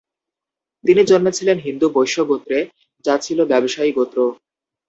তিনি জন্মেছিলেন হিন্দু বৈশ্য গোত্রে, যা ছিল ব্যবসায়ী গোত্র।